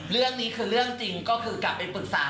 เรื่องนี้คือเรื่องจริงก็คือกลับไปปรึกษา